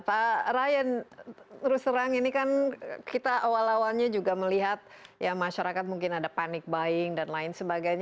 pak ryan terus terang ini kan kita awal awalnya juga melihat ya masyarakat mungkin ada panic buying dan lain sebagainya